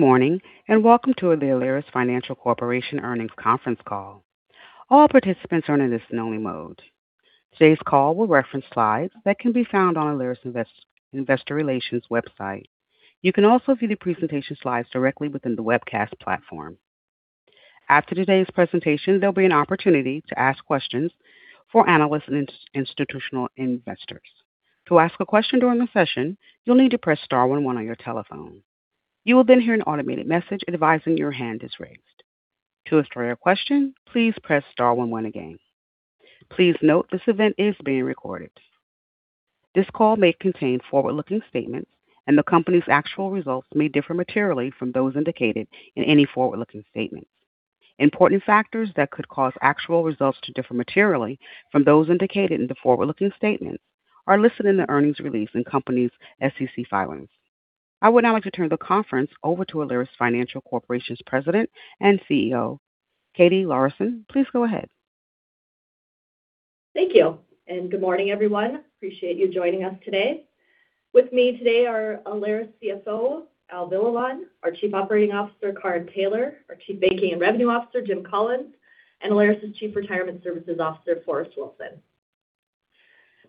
Morning, welcome to Alerus Financial Corporation earnings conference call. All participants are in a listen only mode. Today's call will reference slides that can be found on Alerus Investor Relations website. You can also view the presentation slides directly within the webcast platform. After today's presentation, there'll be an opportunity to ask questions for analysts and institutional investors. To ask a question during the session, you'll need to press star one one on your telephone. You will hear an automated message advising your hand is raised. To withdraw your question, please press star one one again. Please note this event is being recorded. This call may contain forward-looking statements, the company's actual results may differ materially from those indicated in any forward-looking statement. Important factors that could cause actual results to differ materially from those indicated in the forward-looking statement are listed in the earnings release and company's SEC filings. I would now like to turn the conference over to Alerus Financial Corporation's President and CEO. Katie Lorenson, please go ahead. Thank you. Good morning, everyone. Appreciate you joining us today. With me today are Alerus CFO, Al Villalon; our Chief Operating Officer, Karin Taylor; our Chief Banking and Revenue Officer, Jim Collins; and Alerus' Chief Retirement Services Officer, Forrest Wilson.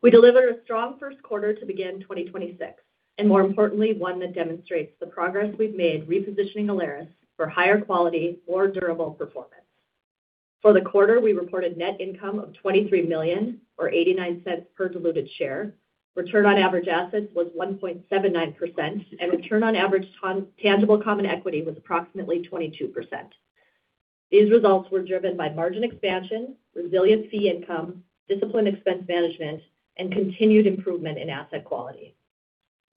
We delivered a strong first quarter to begin 2026, and more importantly, one that demonstrates the progress we've made repositioning Alerus for higher quality, more durable performance. For the quarter, we reported net income of $23 million or $0.89 per diluted share. Return on average assets was 1.79%, and return on average tangible common equity was approximately 22%. These results were driven by margin expansion, resilient fee income, disciplined expense management, and continued improvement in asset quality.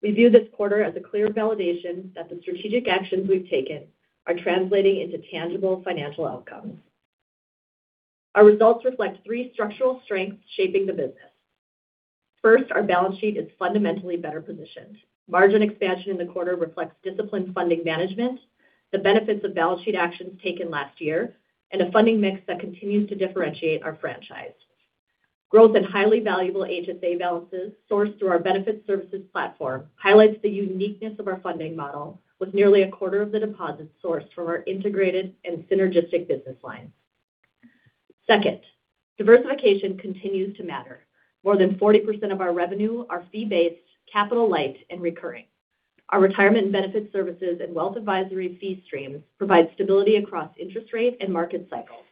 We view this quarter as a clear validation that the strategic actions we've taken are translating into tangible financial outcomes. Our results reflect three structural strengths shaping the business. First, our balance sheet is fundamentally better positioned. Margin expansion in the quarter reflects disciplined funding management, the benefits of balance sheet actions taken last year, and a funding mix that continues to differentiate our franchise. Growth in highly valuable HSA balances sourced through our benefit services platform highlights the uniqueness of our funding model with nearly a quarter of the deposits sourced from our integrated and synergistic business lines. Second, diversification continues to matter. More than 40% of our revenue are fee-based, capital light, and recurring. Our Retirement and Benefits Services and Wealth Advisory fee streams provide stability across interest rate and market cycles.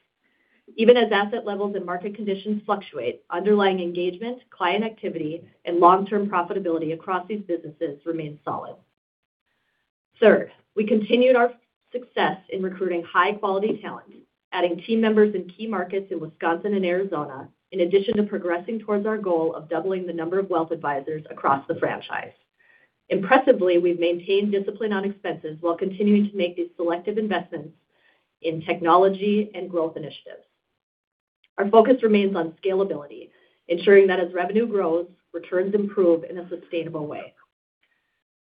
Even as asset levels and market conditions fluctuate, underlying engagement, client activity, and long-term profitability across these businesses remains solid. Third, we continued our success in recruiting high-quality talent, adding team members in key markets in Wisconsin and Arizona, in addition to progressing towards our goal of doubling the number of wealth advisors across the franchise. Impressively, we've maintained discipline on expenses while continuing to make these selective investments in technology and growth initiatives. Our focus remains on scalability, ensuring that as revenue grows, returns improve in a sustainable way.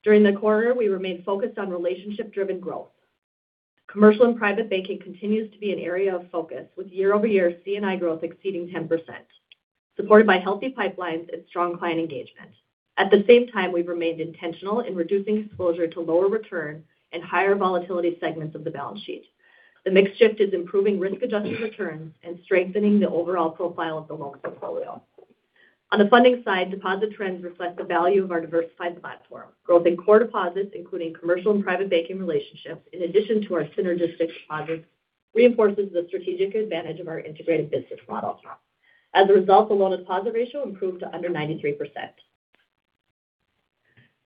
During the quarter, we remained focused on relationship-driven growth. Commercial and private banking continues to be an area of focus, with year-over-year C&I growth exceeding 10%, supported by healthy pipelines and strong client engagement. At the same time, we've remained intentional in reducing exposure to lower return and higher volatility segments of the balance sheet. The mix shift is improving risk-adjusted returns and strengthening the overall profile of the loan portfolio. On the funding side, deposit trends reflect the value of our diversified platform. Growth in core deposits, including commercial and private banking relationships, in addition to our synergistic deposits, reinforces the strategic advantage of our integrated business model. As a result, the loan deposit ratio improved to under 93%.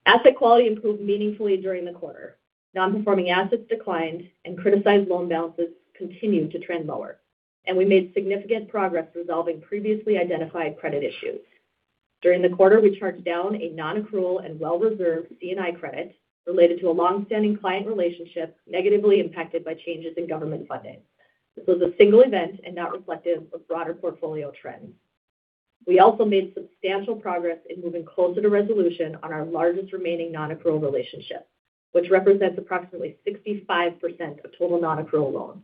Asset quality improved meaningfully during the quarter. Non-performing assets declined and criticized loan balances continued to trend lower, and we made significant progress resolving previously identified credit issues. During the quarter, we charged down a non-accrual and well-reserved C&I credit related to a long-standing client relationship negatively impacted by changes in government funding. This was a single event and not reflective of broader portfolio trends. We also made substantial progress in moving closer to resolution on our largest remaining non-accrual relationship, which represents approximately 65% of total non-accrual loans.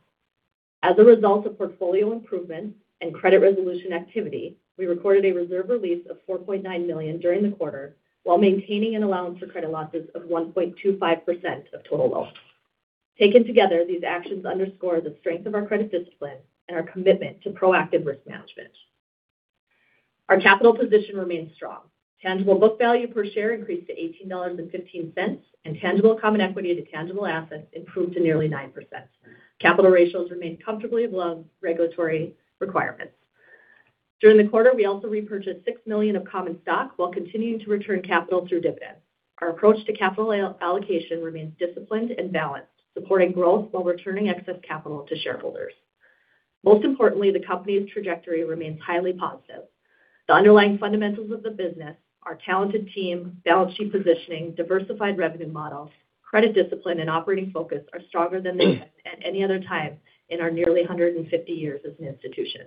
As a result of portfolio improvement and credit resolution activity, we recorded a reserve release of $4.9 million during the quarter while maintaining an allowance for credit losses of 1.25% of total loans. Taken together, these actions underscore the strength of our credit discipline and our commitment to proactive risk management. Our capital position remains strong. Tangible book value per share increased to $18.15, and tangible common equity to tangible assets improved to nearly 9%. Capital ratios remain comfortably above regulatory requirements. During the quarter, we also repurchased $6 million of common stock while continuing to return capital through dividends. Our approach to capital all-allocation remains disciplined and balanced, supporting growth while returning excess capital to shareholders. Most importantly, the company's trajectory remains highly positive. The underlying fundamentals of the business, our talented team, balance sheet positioning, diversified revenue models, credit discipline, and operating focus are stronger than they have at any other time in our nearly 150 years as an institution.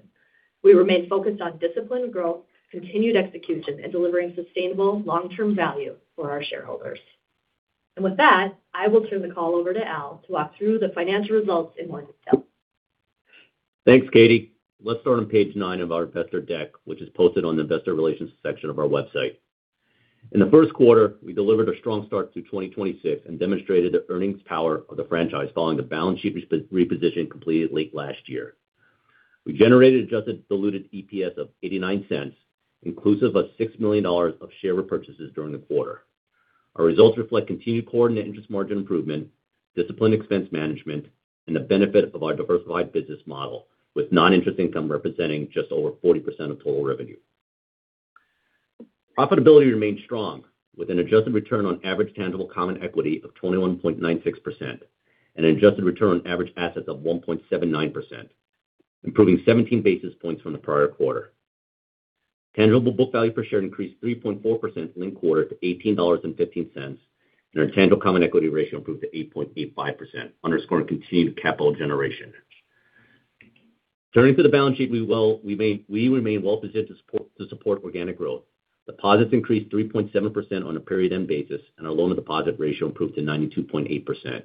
We remain focused on disciplined growth, continued execution, and delivering sustainable long-term value for our shareholders. With that, I will turn the call over to Al to walk through the financial results in more detail. Thanks, Katie Lorenson. Let's start on page nine of our investor deck, which is posted on the investor relations section of our website. In the first quarter, we delivered a strong start to 2026 and demonstrated the earnings power of the franchise following the balance sheet reposition completed late last year. We generated adjusted diluted EPS of $0.89, inclusive of $6 million of share repurchases during the quarter. Our results reflect continued core net interest margin improvement, disciplined expense management, and the benefit of our diversified business model, with non-interest income representing just over 40% of total revenue. Profitability remained strong with an adjusted return on average tangible common equity of 21.96% and an adjusted return on average assets of 1.79%, improving 17 basis points from the prior quarter. Tangible book value per share increased 3.4% in the quarter to $18.15, and our tangible common equity ratio improved to 8.85%, underscoring continued capital generation. Turning to the balance sheet, we remain well-positioned to support organic growth. Deposits increased 3.7% on a period end basis, and our loan-to-deposit ratio improved to 92.8%.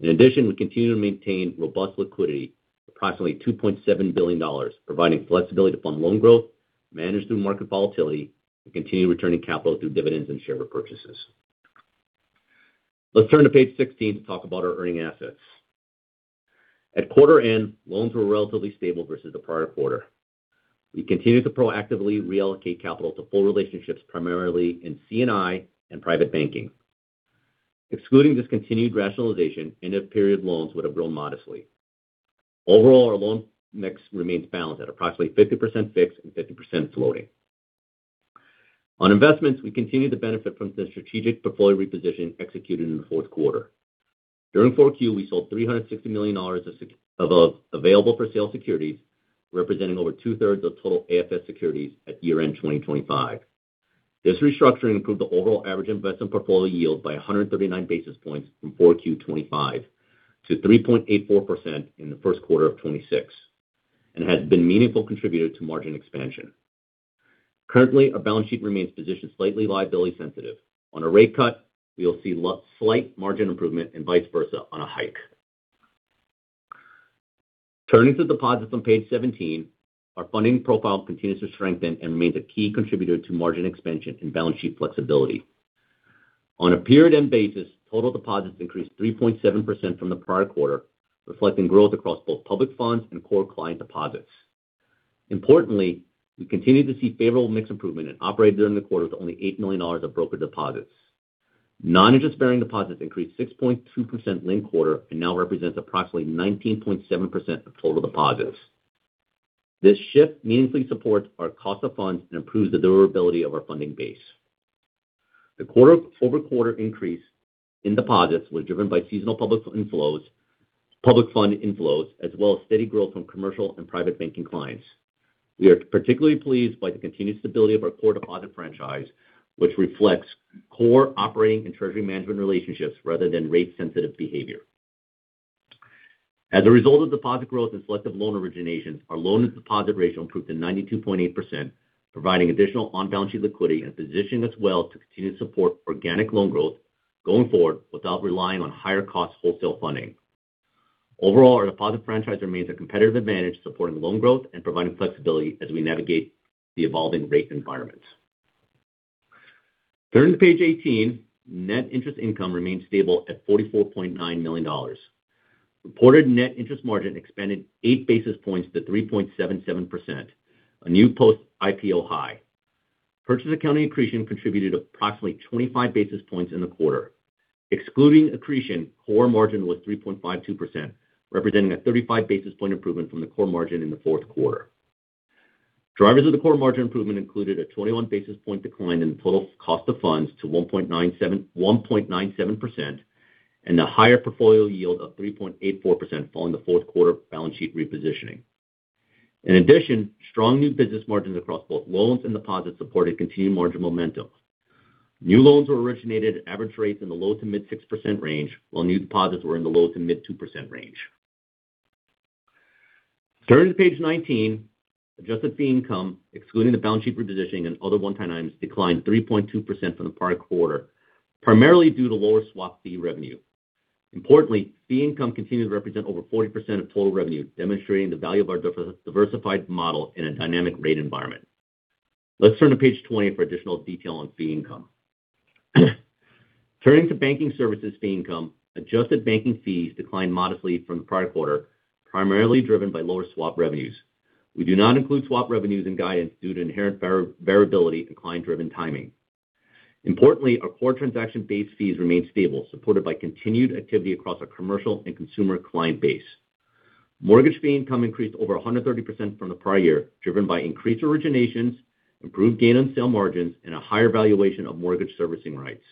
In addition, we continue to maintain robust liquidity, approximately $2.7 billion, providing flexibility to fund loan growth, manage through market volatility, and continue returning capital through dividends and share repurchases. Let's turn to page 16 to talk about our earning assets. At quarter end, loans were relatively stable versus the prior quarter. We continued to proactively reallocate capital to full relationships, primarily in C&I and private banking. Excluding this continued rationalization, end-of-period loans would have grown modestly. Overall, our loan mix remains balanced at approximately 50% fixed and 50% floating. On investments, we continue to benefit from the strategic portfolio reposition executed in the fourth quarter. During 4Q, we sold $360 million of available-for-sale securities, representing over 2/3 of total AFS securities at year-end 2025. This restructuring improved the overall average investment portfolio yield by 139 basis points from 4Q 2025 to 3.84% in the first quarter of 2026 and has been a meaningful contributor to margin expansion. Currently, our balance sheet remains positioned slightly liability sensitive. On a rate cut, we will see slight margin improvement and vice versa on a hike. Turning to deposits on page 17, our funding profile continues to strengthen and remains a key contributor to margin expansion and balance sheet flexibility. On a period end basis, total deposits increased 3.7% from the prior quarter, reflecting growth across both public funds and core client deposits. Importantly, we continue to see favorable mix improvement and operated during the quarter with only $8 million of broker deposits. Non-interest-bearing deposits increased 6.2% linked quarter and now represents approximately 19.7% of total deposits. This shift meaningfully supports our cost of funds and improves the durability of our funding base. The quarter-over-quarter increase in deposits was driven by seasonal public fund inflows, as well as steady growth from commercial and private banking clients. We are particularly pleased by the continued stability of our core deposit franchise, which reflects core operating and treasury management relationships rather than rate-sensitive behavior. As a result of deposit growth and selective loan originations, our loan-to-deposit ratio improved to 92.8%, providing additional on-balance sheet liquidity and positioning us well to continue to support organic loan growth going forward without relying on higher cost wholesale funding. Overall, our deposit franchise remains a competitive advantage, supporting loan growth and providing flexibility as we navigate the evolving rate environment. Turning to page 18, net interest income remains stable at $44.9 million. Reported net interest margin expanded 8 basis points to 3.77%, a new post-IPO high. Purchase accounting accretion contributed approximately 25 basis points in the quarter. Excluding accretion, core margin was 3.52%, representing a 35 basis point improvement from the core margin in the fourth quarter. Drivers of the core margin improvement included a 21 basis point decline in the total cost of funds to 1.97%, and a higher portfolio yield of 3.84% following the fourth quarter balance sheet repositioning. Strong new business margins across both loans and deposits supported continued margin momentum. New loans were originated at average rates in the low to mid 6% range, while new deposits were in the low to mid 2% range. Turning to page 19, adjusted fee income, excluding the balance sheet repositioning and other one-time items, declined 3.2% from the prior quarter, primarily due to lower swap fee revenue. Importantly, fee income continues to represent over 40% of total revenue, demonstrating the value of our diversified model in a dynamic rate environment. Let's turn to page 20 for additional detail on fee income. Turning to banking services fee income, adjusted banking fees declined modestly from the prior quarter, primarily driven by lower swap revenues. We do not include swap revenues and guidance due to inherent variability and client-driven timing. Importantly, our core transaction-based fees remain stable, supported by continued activity across our commercial and consumer client base. Mortgage fee income increased over 130% from the prior year, driven by increased originations, improved gain on sale margins, and a higher valuation of mortgage servicing rights.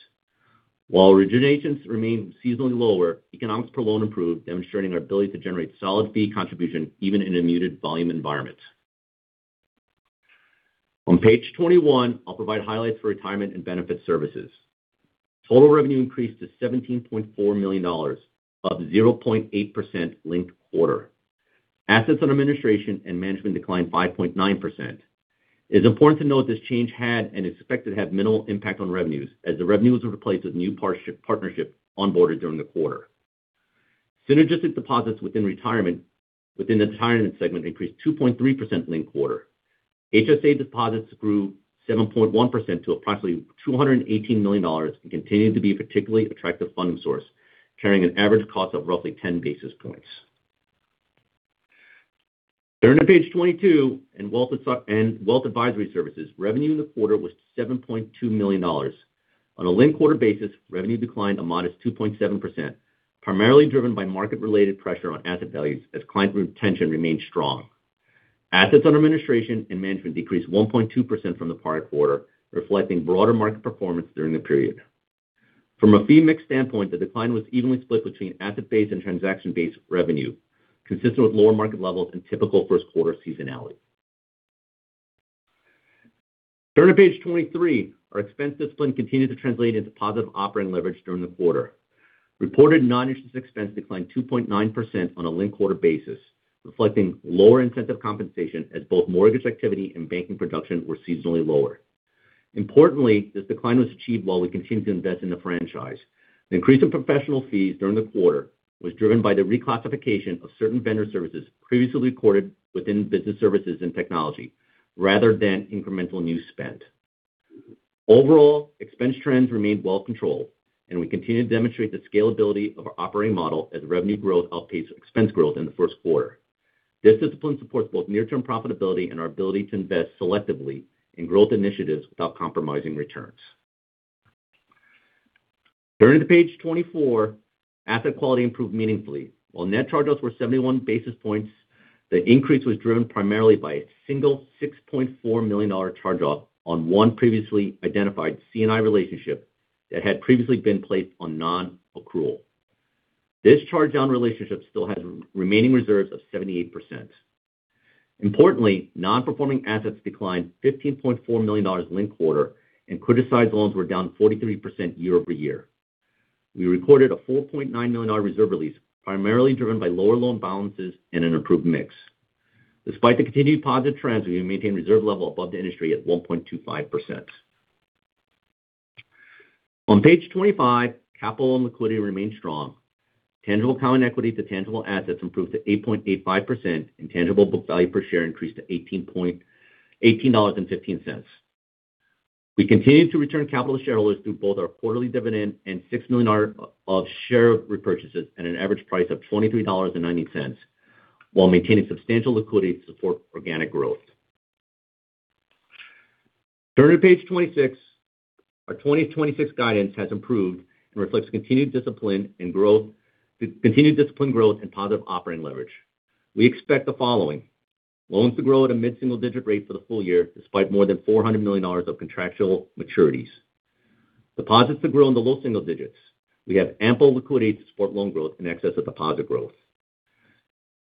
While originations remain seasonally lower, economics per loan improved, demonstrating our ability to generate solid fee contribution even in a muted volume environment. On page 21, I'll provide highlights for retirement and benefit services. Total revenue increased to $17.4 million, up 0.8% linked quarter. Assets under administration and management declined by 0.9%. It's important to note this change had and is expected to have minimal impact on revenues, as the revenues were replaced with new partnership onboarded during the quarter. Synergistic deposits within the retirement segment increased 2.3% linked quarter. HSA deposits grew 7.1% to approximately $218 million and continued to be a particularly attractive funding source, carrying an average cost of roughly 10 basis points. Turning to page 22, in wealth and wealth advisory services, revenue in the quarter was $7.2 million. On a linked quarter basis, revenue declined a modest 2.7%, primarily driven by market-related pressure on asset values as client retention remained strong. Assets under administration and management decreased 1.2% from the prior quarter, reflecting broader market performance during the period. From a fee mix standpoint, the decline was evenly split between asset-based and transaction-based revenue, consistent with lower market levels and typical first quarter seasonality. Turning to page 23, our expense discipline continued to translate into positive operating leverage during the quarter. Reported non-interest expense declined 2.9% on a linked quarter basis, reflecting lower incentive compensation as both mortgage activity and banking production were seasonally lower. Importantly, this decline was achieved while we continued to invest in the franchise. The increase in professional fees during the quarter was driven by the reclassification of certain vendor services previously recorded within business services and technology rather than incremental new spend. Overall, expense trends remained well controlled. We continue to demonstrate the scalability of our operating model as revenue growth outpaced expense growth in the first quarter. This discipline supports both near-term profitability and our ability to invest selectively in growth initiatives without compromising returns. Turning to page 24, asset quality improved meaningfully. While net charge-offs were 71 basis points, the increase was driven primarily by a single $6.4 million charge-off on one previously identified C&I relationship that had previously been placed on non-accrual. This charged-down relationship still has remaining reserves of 78%. Importantly, non-performing assets declined $15.4 million linked quarter. Criticized loans were down 43% year over year. We recorded a $4.9 million reserve release, primarily driven by lower loan balances and an improved mix. Despite the continued positive trends, we maintain reserve level above the industry at 1.25%. On page 25, capital and liquidity remain strong. Tangible common equity to tangible assets improved to 8.85%, and tangible book value per share increased to $18.15. We continue to return capital to shareholders through both our quarterly dividend and $6 million of share repurchases at an average price of $23.90 while maintaining substantial liquidity to support organic growth. Turning to page 26, our 2026 guidance has improved and reflects continued disciplined growth and positive operating leverage. We expect the following: loans to grow at a mid-single digit rate for the full year despite more than $400 million of contractual maturities. Deposits to grow in the low single digits. We have ample liquidity to support loan growth in excess of deposit growth.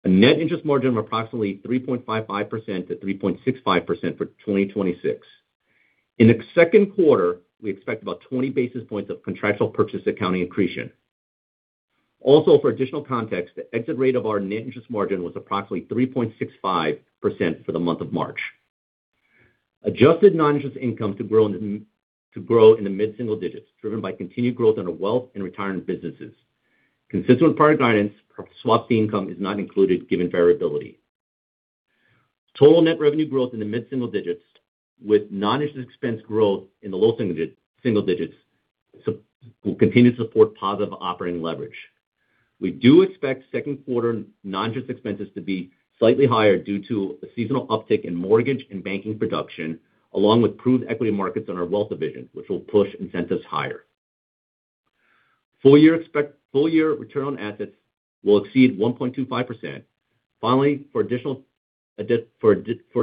A net interest margin of approximately 3.55%-3.65% for 2026. In the second quarter, we expect about 20 basis points of contractual purchase accounting accretion. For additional context, the exit rate of our net interest margin was approximately 3.65% for the month of March. Adjusted non-interest income to grow in the mid-single digits, driven by continued growth in our wealth and retirement businesses. Consistent with prior guidance, swap fee income is not included given variability. Total net revenue growth in the mid-single digits with non-interest expense growth in the low single digits will continue to support positive operating leverage. We do expect second quarter non-interest expenses to be slightly higher due to a seasonal uptick in mortgage and banking production, along with improved equity markets on our wealth division, which will push incentives higher. Full year return on assets will exceed 1.25%. Finally, for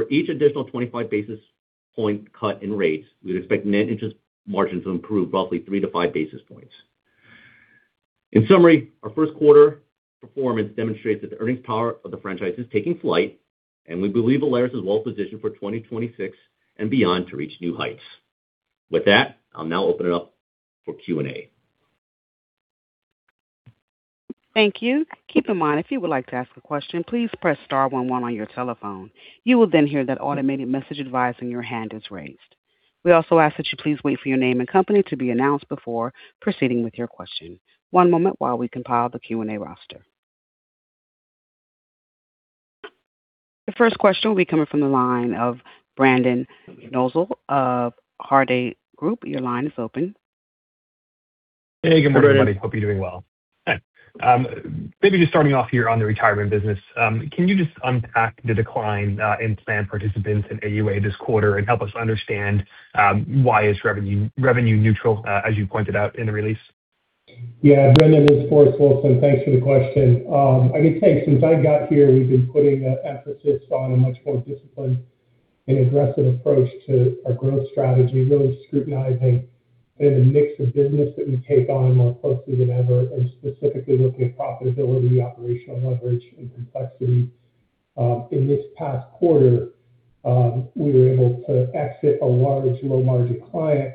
each additional 25 basis point cut in rates, we'd expect net interest margins to improve roughly three to five basis points. In summary, our first quarter performance demonstrates that the earnings power of the franchise is taking flight, and we believe Alerus is well-positioned for 2026 and beyond to reach new heights. With that, I'll now open it up for Q&A. Thank you. Keep in mind, if you would like to ask a question, please press star one one on your telephone. You will then hear that automated message advising your hand is raised. We also ask that you please wait for your name and company to be announced before proceeding with your question. One moment while we compile the Q&A roster. The first question will be coming from the line of Brendan Nosal of Hovde Group. Your line is open. Hey, good morning. Hey, good morning, buddy. Hope you're doing well. Hi. Maybe just starting off here on the retirement business. Can you just unpack the decline in plan participants in AUA this quarter and help us understand why it's revenue neutral as you pointed out in the release? Yeah. Brendan, this is Forrest Wilson. Thanks for the question. I mean, since I got here, we've been putting emphasis on a much more disciplined and aggressive approach to our growth strategy, really scrutinizing, you know, the mix of business that we take on more closely than ever and specifically looking at profitability, operational leverage, and complexity. In this past quarter, we were able to exit a large low-margin client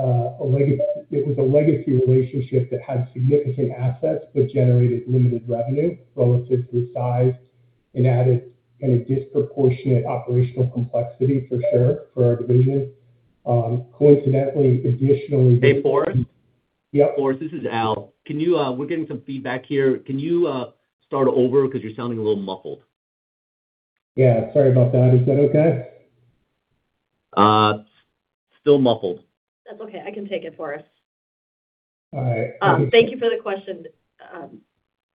It was a legacy relationship that had significant assets but generated limited revenue relative to size and added a disproportionate operational complexity for sure for our division. Hey, Forrest? Yeah. Forrest Wilson, this is Al Villalon. Can you, we're getting some feedback here. Can you, start over? Because you're sounding a little muffled. Yeah, sorry about that. Is that okay? Still muffled. That's okay. I can take it, Forrest. All right. Thank you for the question.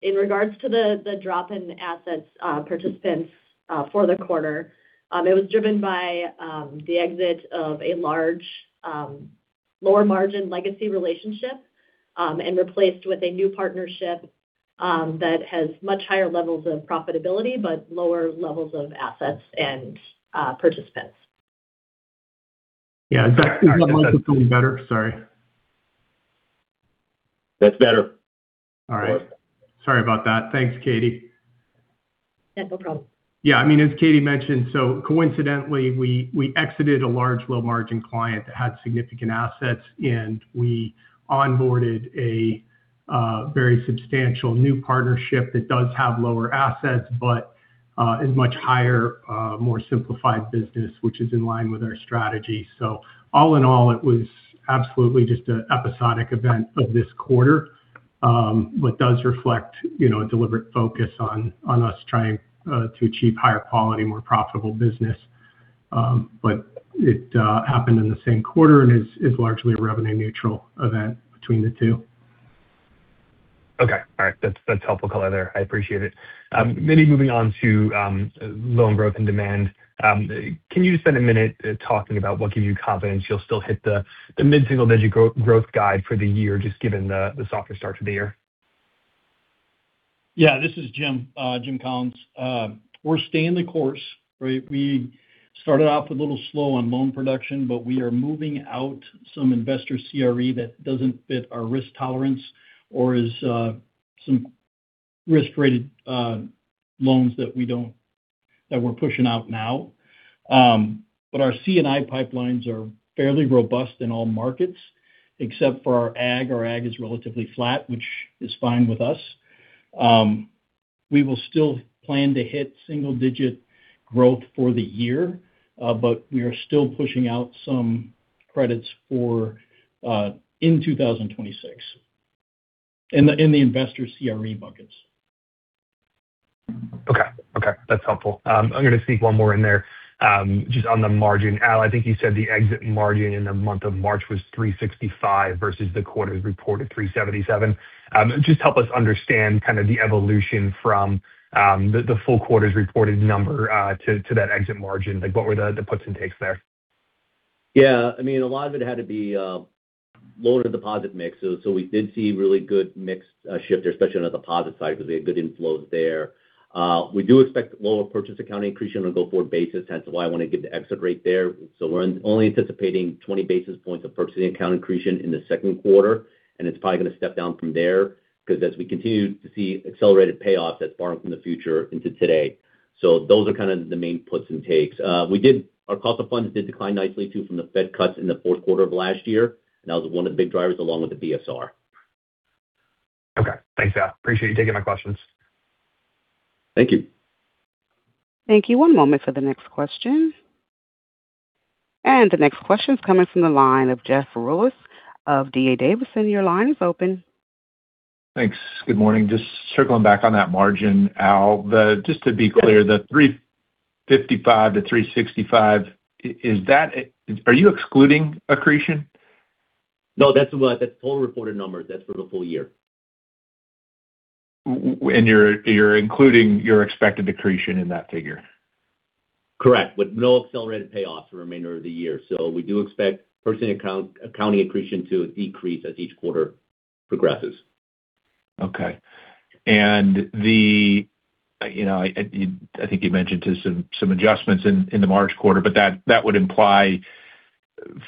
In regards to the drop in assets, participants, for the quarter, it was driven by the exit of a large, lower margin legacy relationship, and replaced with a new partnership, that has much higher levels of profitability, but lower levels of assets and participants. Yeah. Is that better? Sorry. That's better. All right. Sorry about that. Thanks, Katie. Yeah, no problem. I mean, as Katie mentioned, coincidentally, we exited a large, low margin client that had significant assets, and we onboarded a very substantial new partnership that does have lower assets but is much higher, more simplified business, which is in line with our strategy. All in all, it was absolutely just an episodic event of this quarter, but does reflect, you know, a deliberate focus on us trying to achieve higher quality, more profitable business. It happened in the same quarter and is largely a revenue neutral event between the two. Okay. All right. That's helpful color there. I appreciate it. Maybe moving on to loan growth and demand. Can you just spend one minute talking about what gives you confidence you'll still hit the mid-single-digit growth guide for the year, just given the softer start to the year? Yeah. This is Jim Collins. We're staying the course, right? We started off a little slow on loan production, but we are moving out some investor CRE that doesn't fit our risk tolerance or is, some risk-rated, loans that we're pushing out now. Our C&I pipelines are fairly robust in all markets except for our ag. Our ag is relatively flat, which is fine with us. We will still plan to hit single digit growth for the year, but we are still pushing out some credits for, in 2026 in the, in the investor CRE buckets. Okay. Okay, that's helpful. I'm gonna sneak one more in there, just on the margin. Al, I think you said the exit margin in the month of March was 3.65% versus the quarter's reported 3.77%. Just help us understand kind of the evolution from the full quarter's reported number to that exit margin. Like, what were the puts and takes there? Yeah, I mean, a lot of it had to be lower deposit mix. We did see really good mix shift there, especially on the deposit side because we had good inflows there. We do expect lower purchase accounting accretion on a go-forward basis. Hence why I want to get the exit rate there. We're only anticipating 20 basis points of purchase accounting accretion in the second quarter, and it's probably going to step down from there because as we continue to see accelerated payoffs, that's borrowing from the future into today. Those are kind of the main puts and takes. Our cost of funds did decline nicely too from the Fed cuts in the fourth quarter of last year. That was one of the big drivers along with the BSR. Okay. Thanks, Al. Appreciate you taking my questions. Thank you. Thank you. One moment for the next question. The next question is coming from the line of Jeff Rulis of D.A. Davidson. Your line is open. Thanks. Good morning. Just circling back on that margin, Al. Just to be clear, the 3.55%-3.65%, are you excluding accretion? No, that's total reported numbers. That's for the full year. When you're including your expected accretion in that figure? Correct. With no accelerated payoffs for the remainder of the year. We do expect purchase accounting accretion to decrease as each quarter progresses. Okay. The, you know, I think you mentioned to some adjustments in the March quarter, but that would imply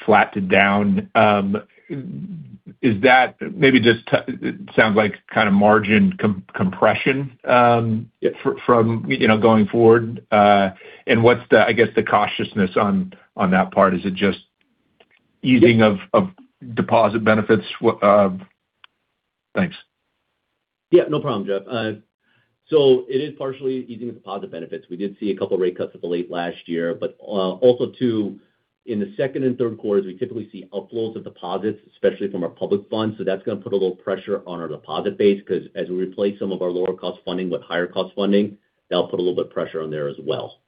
flat to down. Is that maybe just it sounds like kind of margin compression from, you know, going forward? What's the, I guess, the cautiousness on that part? Is it just easing of deposit benefits? What? Thanks. Yeah, no problem, Jeff. It is partially easing deposit benefits. We did see a couple rate cuts up late last year, also too in the second and third quarters, we typically see outflows of deposits, especially from our public funds. That's going to put a little pressure on our deposit base because as we replace some of our lower cost funding with higher cost funding, that'll put a little bit of pressure on there as well.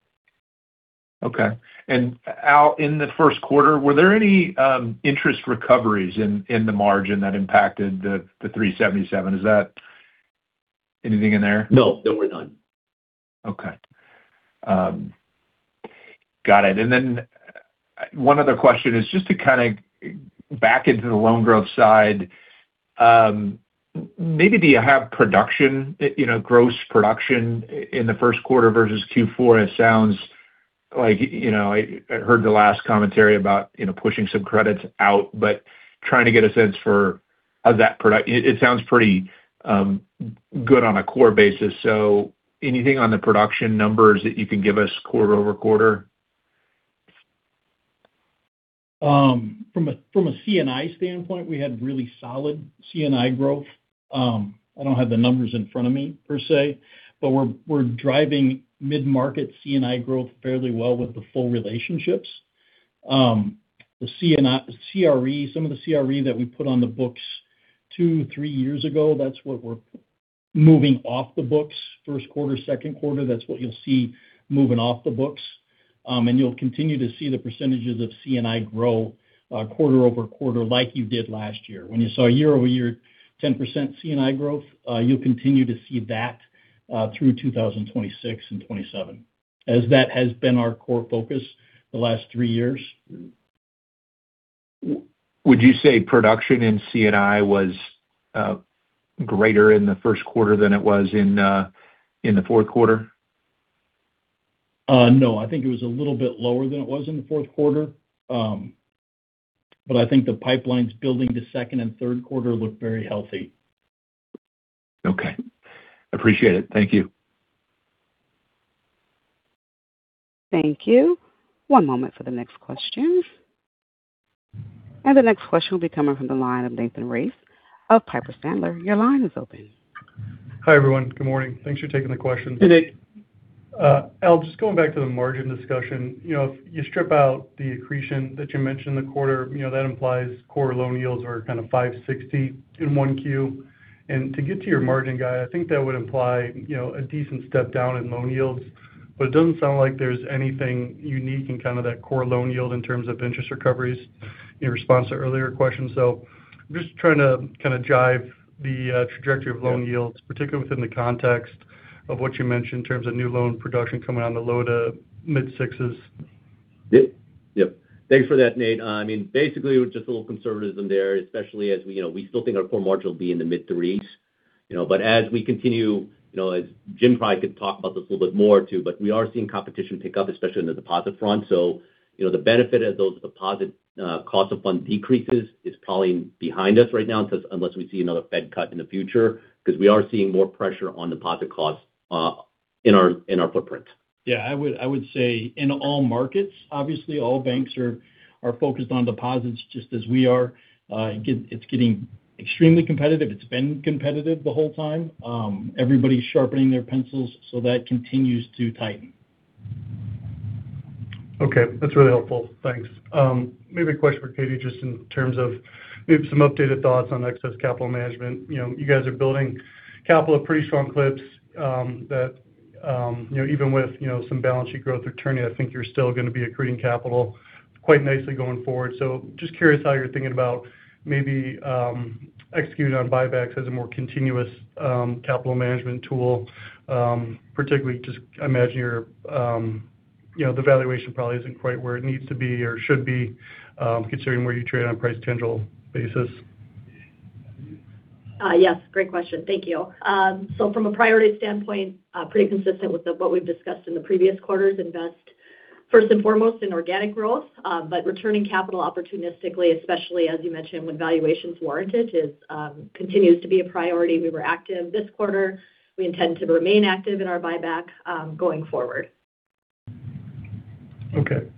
Okay. And Al, in the first quarter, were there any interest recoveries in the margin that impacted the 3.77%? Is that anything in there? No, there were none. Okay. Got it. One other question is just to kind of back into the loan growth side, maybe do you have production, you know, gross production in the first quarter versus Q4? It sounds like, you know, I heard the last commentary about, you know, pushing some credits out, but trying to get a sense for how's that production. It sounds pretty good on a core basis. Anything on the production numbers that you can give us quarter-over-quarter? From a, from a C&I standpoint, we had really solid C&I growth. I don't have the numbers in front of me per se, but we're driving mid-market C&I growth fairly well with the full relationships. The C&I-- CRE, some of the CRE that we put on the books two, three years ago, that's what we're moving off the books first quarter, second quarter. That's what you'll see moving off the books. And you'll continue to see the % of C&I grow, quarter-over-quarter like you did last year. When you saw year-over-year 10% C&I growth, you'll continue to see that through 2026 and 2027, as that has been our core focus the last three years. Would you say production in C&I was greater in the first quarter than it was in the fourth quarter? No. I think it was a little bit lower than it was in the fourth quarter. I think the pipelines building to second and third quarter look very healthy. Okay. Appreciate it. Thank you. Thank you. One moment for the next question. The next question will be coming from the line of Nathan Race of Piper Sandler. Your line is open. Hi, everyone. Good morning. Thanks for taking the question. Hey, Nate. Al, just going back to the margin discussion. You know, if you strip out the accretion that you mentioned in the quarter, you know, that implies core loan yields are kind of 5.60% in 1Q. To get to your margin guide, I think that would imply, you know, a decent step down in loan yields. It doesn't sound like there's anything unique in kind of that core loan yield in terms of interest recoveries in response to earlier questions. I'm just trying to kind of jive the trajectory of loan yields, particularly within the context of what you mentioned in terms of new loan production coming on the low to mid-6s. Yep. Yep. Thanks for that, Nate. I mean, basically, just a little conservatism there, especially as we know, we still think our core margin will be in the mid-threes, you know. As we continue, you know, as Jim probably could talk about this a little bit more too, but we are seeing competition pick up, especially in the deposit front. You know, the benefit of those deposit, cost of fund decreases is probably behind us right now unless we see another Fed cut in the future because we are seeing more pressure on deposit costs, in our, in our footprint. I would say in all markets, obviously all banks are focused on deposits just as we are. It's getting extremely competitive. It's been competitive the whole time. Everybody's sharpening their pencils, that continues to tighten. Okay, that's really helpful. Thanks. Maybe a question for Katie, just in terms of maybe some updated thoughts on excess capital management. You know, you guys are building capital at pretty strong clips, that, you know, even with, you know, some balance sheet growth returning, I think you're still going to be accreting capital quite nicely going forward. Just curious how you're thinking about maybe executing on buybacks as a more continuous capital management tool, particularly just I imagine you're, you know, the valuation probably isn't quite where it needs to be or should be, considering where you trade on a price-to-tangible basis. Yes, great question. Thank you. From a priority standpoint, pretty consistent with what we've discussed in the previous quarters. Invest first and foremost in organic growth, but returning capital opportunistically, especially as you mentioned, when valuations warranted is, continues to be a priority. We were active this quarter. We intend to remain active in our buyback going forward. Okay.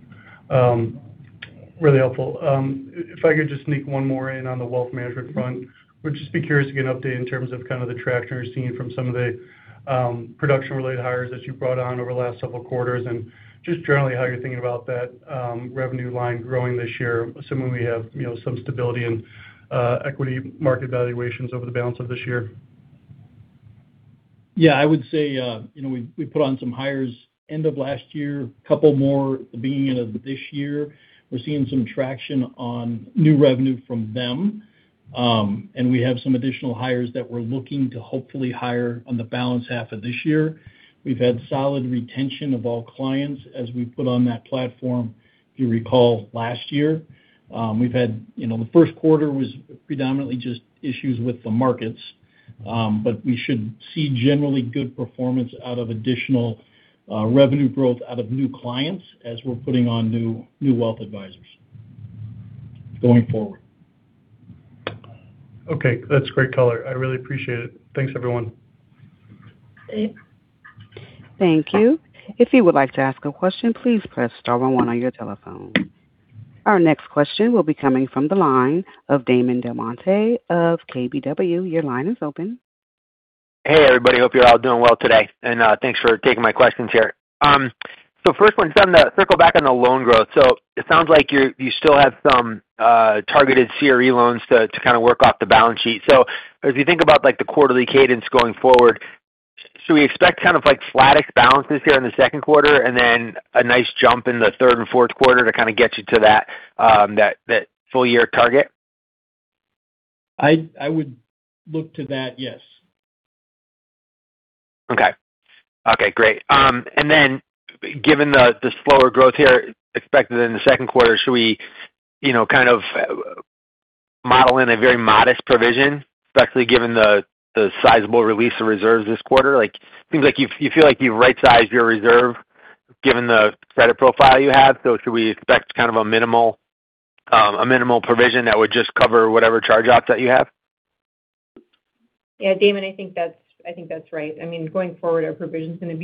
Really helpful. If I could just sneak one more in on the wealth management front. Would just be curious to get an update in terms of kind of the traction you're seeing from some of the production-related hires that you brought on over the last several quarters and just generally how you're thinking about that revenue line growing this year, assuming we have, you know, some stability in equity market valuations over the balance of this year. Yeah. I would say, you know, we put on some hires end of last year, couple more being end of this year. We're seeing some traction on new revenue from them. We have some additional hires that we're looking to hopefully hire on the balance half of this year. We've had solid retention of all clients as we put on that platform, if you recall, last year. We've had, you know, the first quarter was predominantly just issues with the markets, we should see generally good performance out of additional revenue growth out of new clients as we're putting on new wealth advisors going forward. Okay. That's great color. I really appreciate it. Thanks, everyone. Thanks. Thank you. If you would like to ask a question, please press star one one on your telephone. Our next question will be coming from the line of Damon DelMonte of KBW. Your line is open. Hey, everybody. Hope you're all doing well today. Thanks for taking my questions here. First one is on the loan growth. It sounds like you still have some targeted CRE loans to kind of work off the balance sheet. As you think about, like, the quarterly cadence going forward, should we expect kind of like flattish balances here in the second quarter and then a nice jump in the third and fourth quarter to kind of get you to that full year target? I would look to that, yes. Okay. Okay, great. Given the slower growth here expected in the second quarter, should we, you know, kind of model in a very modest provision, especially given the sizable release of reserves this quarter? Seems like you feel like you've right-sized your reserve given the credit profile you have. Should we expect kind of a minimal, a minimal provision that would just cover whatever charge-offs that you have? Yeah, Damon, I think that's right. I mean, going forward, our provision's gonna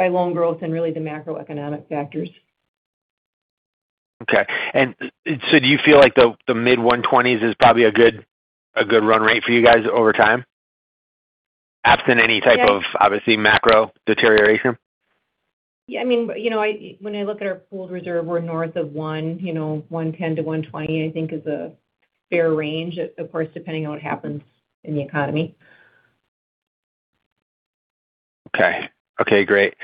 be driven by loan growth and really the macroeconomic factors. Okay. Do you feel like the mid 120s is probably a good, a good run rate for you guys over time? Absent any type of, obviously, macro deterioration. Yeah, I mean, you know, when I look at our pooled reserve, we're north of 1%, you know, 1.10%-1.20%, I think is a fair range. Of course, depending on what happens in the economy. Okay. Okay, great.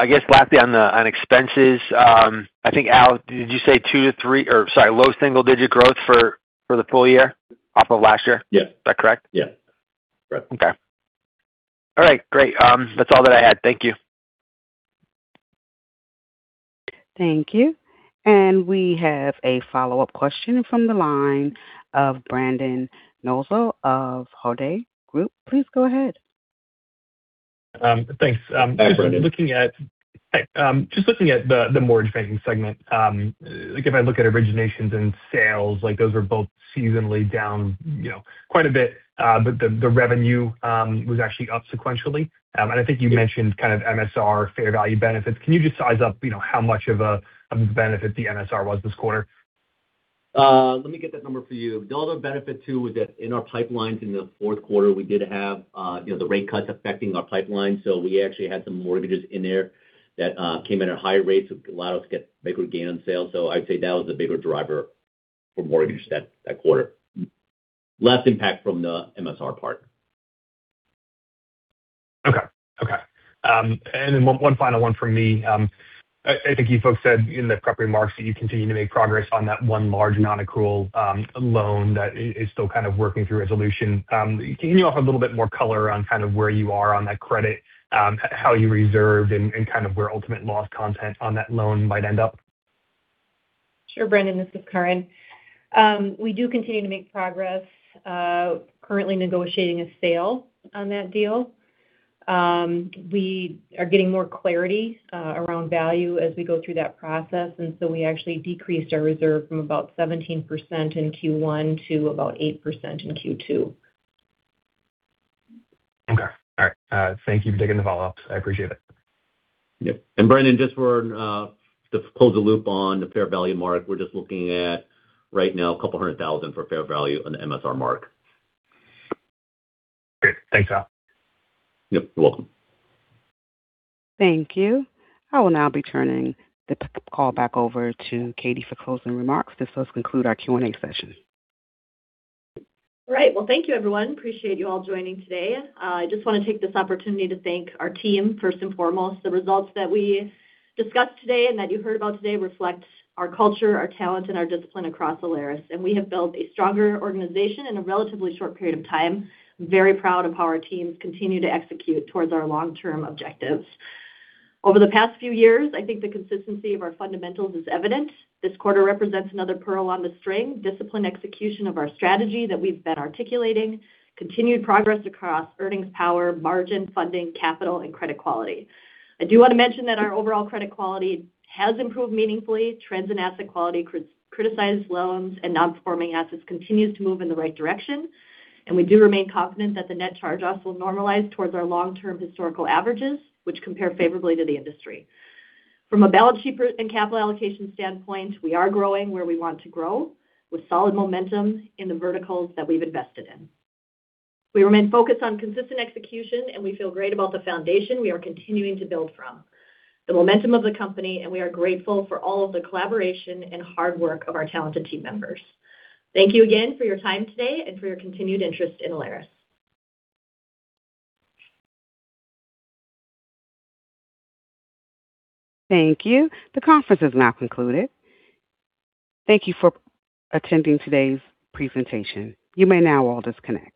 I guess lastly on the, on expenses, I think, Al, did you say or sorry, low single-digit growth for the full year off of last year? Yeah. Is that correct? Yeah. Correct. Okay. All right, great. That's all that I had. Thank you. Thank you. We have a follow-up question from the line of Brendan Nosal of Hovde Group. Please go ahead. Thanks. Hi, Brendan. Hi. Just looking at the mortgage banking segment. Like, if I look at originations and sales, like, those are both seasonally down, you know, quite a bit, but the revenue was actually up sequentially. I think you mentioned kind of MSR fair value benefits. Can you just size up, you know, how much of a benefit the MSR was this quarter? Let me get that number for you. The other benefit too was that in our pipelines in the fourth quarter, we did have, you know, the rate cuts affecting our pipeline. We actually had some mortgages in there that came in at higher rates, which allowed us to get bigger gain on sale. I'd say that was the bigger driver for mortgage that quarter. Less impact from the MSR part. Okay. Okay. Then one final one from me. I think you folks said in the prep remarks that you continue to make progress on that one large non-accrual loan that is still kind of working through resolution. Can you offer a little bit more color on kind of where you are on that credit, how you reserved and kind of where ultimate loss content on that loan might end up? Sure, Brendan. This is Karin. We do continue to make progress, currently negotiating a sale on that deal. We are getting more clarity around value as we go through that process. We actually decreased our reserve from about 17% in Q1 to about 8% in Q2. Okay. All right. Thank you for taking the follow-ups. I appreciate it. Yep. Brendan, just for to close the loop on the fair value mark, we're just looking at right now $200,000 for fair value on the MSR mark. Great. Thanks, Al. Yep, you're welcome. Thank you. I will now be turning the call back over to Katie for closing remarks. This does conclude our Q&A session. Great. Well, thank you everyone. Appreciate you all joining today. I just want to take this opportunity to thank our team first and foremost. The results that we discussed today and that you heard about today reflect our culture, our talent, and our discipline across Alerus. We have built a stronger organization in a relatively short period of time. Very proud of how our teams continue to execute towards our long-term objectives. Over the past few years, I think the consistency of our fundamentals is evident. This quarter represents another pearl on the string, disciplined execution of our strategy that we've been articulating, continued progress across earnings power, margin funding, capital, and credit quality. I do want to mention that our overall credit quality has improved meaningfully. Trends in asset quality, criticized loans and non-performing assets continues to move in the right direction, we do remain confident that the net charge-offs will normalize towards our long-term historical averages, which compare favorably to the industry. From a balance sheet and capital allocation standpoint, we are growing where we want to grow with solid momentum in the verticals that we've invested in. We remain focused on consistent execution, and we feel great about the foundation we are continuing to build from. The momentum of the company. We are grateful for all of the collaboration and hard work of our talented team members. Thank you again for your time today and for your continued interest in Alerus. Thank you. The conference is now concluded. Thank you for attending today's presentation. You may now all disconnect.